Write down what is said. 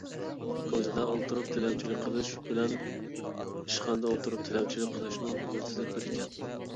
كوچىدا ئولتۇرۇپ تىلەمچىلىك قىلىش بىلەن ئىشخانىدا ئولتۇرۇپ تىلەمچىلىك قىلىشنىڭ يىلتىزى بىر ئىكەن.